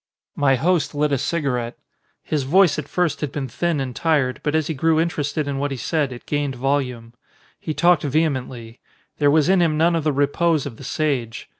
My host lit a cigarette. His voice at first had been thin and tired, but as he grew interested in what he said it gained volume. He talked ve hemently. There was in him none of the repose of the sage.